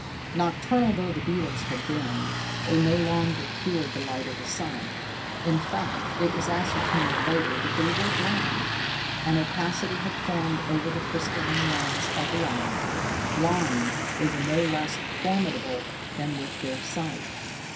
Nocturnal though the beetles had been, they no longer feared the light of the sun. In fact, it was ascertained later that they were blind. An opacity had formed over the crystalline lens of the eye. Blind, they were no less formidable than with their sight.